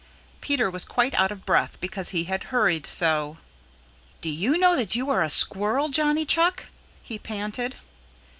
Peter was quite out of breath because he had hurried so. "Do you know that you are a Squirrel, Johnny Chuck?" he panted.